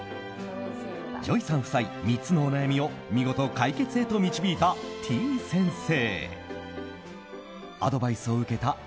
ＪＯＹさん夫妻、３つのお悩みを見事、解決へと導いたてぃ先生。